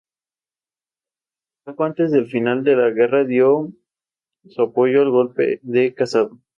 Poco antes del final de la guerra dio su apoyo al golpe de Casado.